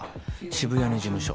渋谷に事務所。